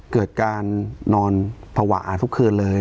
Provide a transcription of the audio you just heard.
เกิดการนอนภาวะทุกคืนเลย